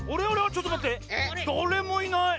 ちょっとまってだれもいない！